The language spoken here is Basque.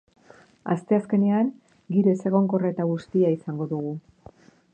Asteazkenean giro ezegonkorra eta bustia izango dugu.